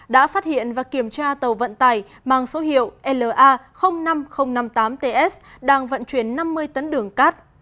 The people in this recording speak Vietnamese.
đã phát hiện và kiểm tra tàu vận tải mang số hiệu la năm nghìn năm mươi tám ts đang vận chuyển năm mươi tấn đường cát